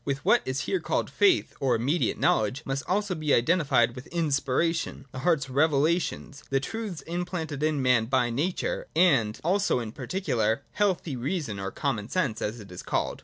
With what is here called faith or immediate know ledge must also be identified inspiration, the heart's revelations, the truths implanted in man by nature, and also in particular, healthy reason or Common Sense, as it is called.